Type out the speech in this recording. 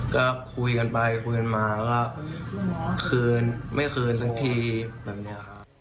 ก็คุยกันไปคุยกันมาว่าคืนไม่คืนสักทีแบบนี้ครับ